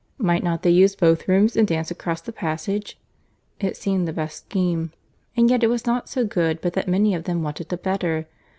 "Might not they use both rooms, and dance across the passage?" It seemed the best scheme; and yet it was not so good but that many of them wanted a better.